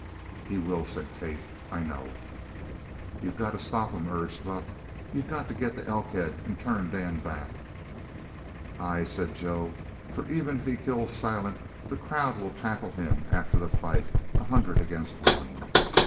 "He will," said Kate. "I know!" "You've got to stop him," urged Buck. "You've got to get to Elkhead and turn Dan back." "Ay," said Joe, "for even if he kills Silent, the crowd will tackle him after the fight a hundred against one."